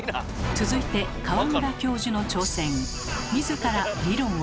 続いて川村教授の挑戦。